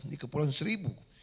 di kepulauan seribu